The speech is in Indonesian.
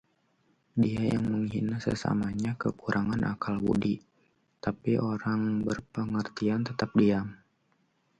Dia yang menghina sesamanya kekurangan akal budi, tetapi orang berpengertian tetap diam.